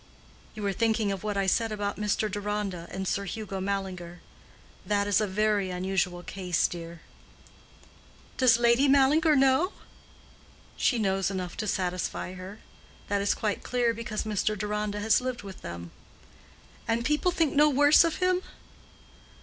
"You are thinking of what I said about Mr. Deronda and Sir Hugo Mallinger. That is a very unusual case, dear." "Does Lady Mallinger know?" "She knows enough to satisfy her. That is quite clear, because Mr. Deronda has lived with them." "And people think no worse of him?"